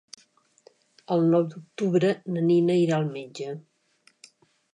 El nou d'octubre na Nina irà al metge.